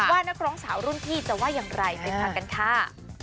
ว่านักร้องสาวรุ่นที่จะว่ายังไรเป็นภักรณ์ค่า